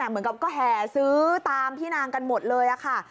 เหมือนกับก็แห่ซื้อตามพี่นางกันหมดเลยค่ะ